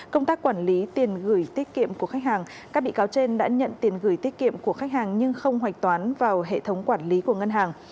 công tác quản lý tiền gửi tiết kiệm của khách hàng các bị cáo trên đã nhận tiền gửi tiết kiệm của khách hàng nhưng không hạch toán vào hệ thống quản lý của ngân hàng